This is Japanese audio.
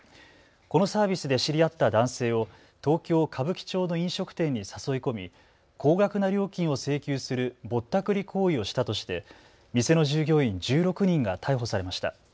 このサービスで知り合った男性を東京歌舞伎町の飲食店に誘い込み高額な料金を請求するぼったくり行為をしたとして店の従業員１６人が逮捕されました。